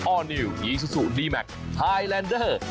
อร์นิวอีซูซูดีแมคไทยแลนเดอร์